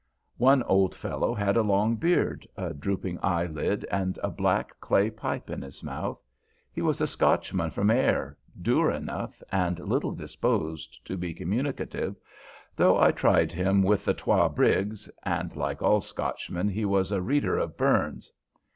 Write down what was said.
One old fellow had a long beard, a drooping eyelid, and a black clay pipe in his mouth. He was a Scotchman from Ayr, dour enough, and little disposed to be communicative, though I tried him with the "Twa Briggs," and, like all Scotchmen, he was a reader of "Burrns."